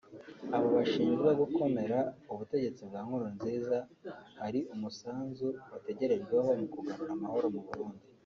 abo bashinjwa kugomera ubutegetsi bwa Nkurunziza hari umusanzu bategerejweho mu kugarura amahoro mu Burundi